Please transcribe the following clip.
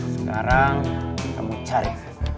sekarang kamu cari